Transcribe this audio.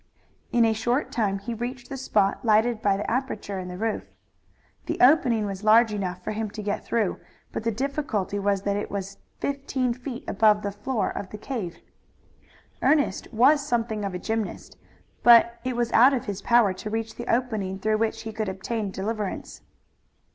In a short time he reached the spot lighted by the aperture in the roof. The opening was large enough for him to get through, but the difficulty was that it was fifteen feet above the floor of the cave. Ernest was something of a gymnast, but it was out of his power to reach the opening through which he could obtain deliverance.